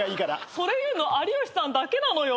それ言うの有吉さんだけなのよ。